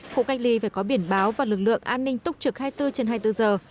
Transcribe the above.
khu cách ly phải có biển báo và lực lượng an ninh túc trực hai mươi bốn trên hai mươi bốn giờ